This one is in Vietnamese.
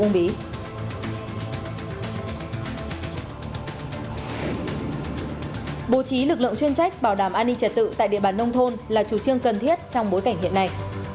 bố trí lực lượng chuyên trách bảo đảm an ninh trật tự tại địa bàn nông thôn là chủ trương cần thiết trong bối cảnh hiện nay